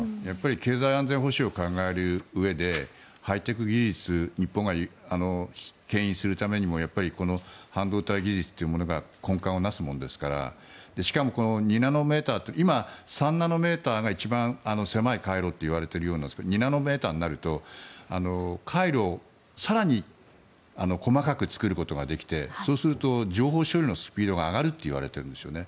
経済安全保障を考えるうえでハイテク技術を日本がけん引するためにもやっぱりこの半導体技術というものが根幹を成すものですからしかも、２ナノメートル今、３ナノメートルが一番狭い回路って言われていて２ナノメートルになると回路を更に細かく作ることができてそうすると情報処理のスピードが上がるといわれてるんですね。